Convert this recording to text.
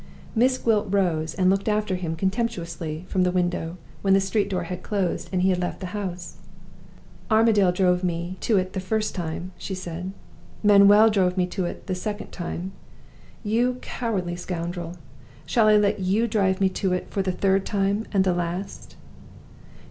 Miss Gwilt rose and looked after him contemptuously from the window, when the street door had closed, and he had left the house. "Armadale himself drove me to it the first time," she said. "Manuel drove me to it the second time. You cowardly scoundrel! shall I let you drive me to it for the third time, and the last?"